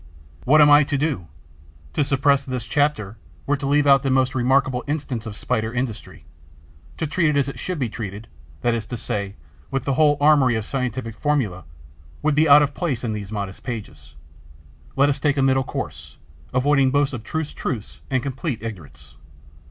What am I to do? To suppress this chapter were to leave out the most remarkable instance of Spider industry; to treat it as it should be treated, that is to say, with the whole armoury of scientific formulae, would be out of place in these modest pages. Let us take a middle course, avoiding both abstruse truths and complete ignorance.